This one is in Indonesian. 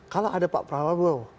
kalau ada pak prabowo